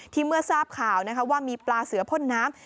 เมื่อทราบข่าวว่ามีปลาเสือพ่นน้ำ